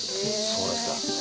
そうなんですか。